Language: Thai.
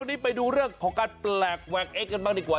วันนี้ไปดูเรื่องของการแปลกแหวกเอ๊ะกันบ้างดีกว่า